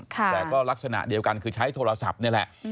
แต่ก็ลักษณะเดียวกันคือใช้โทรศัพท์นี่แหละ